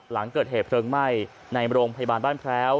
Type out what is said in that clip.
หลังเกิดเหตุเพลิงไหม้ในโรงพยาบาลบ้านแพร้ว